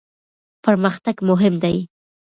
پرمختګ مهم دی.